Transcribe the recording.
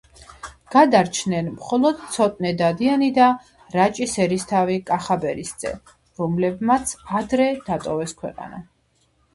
გადარჩნენ მხოლოდ ცოტნე დადიანი და რაჭის ერისთავი კახაბერისძე, რომლებმაც ადრე დატოვეს ქვეყანა.